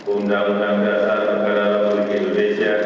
undang undang dasar mekadatulik indonesia